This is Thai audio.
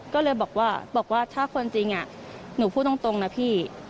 ก็เลยบอกว่าบอกว่าถ้าคนจริงหนูพูดตรงนะพี่